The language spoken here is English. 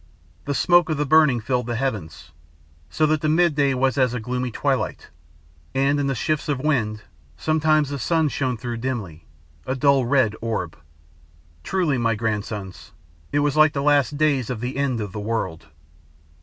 The smoke of the burning filled the heavens, so that the midday was as a gloomy twilight, and, in the shifts of wind, sometimes the sun shone through dimly, a dull red orb. Truly, my grandsons, it was like the last days of the end of the world.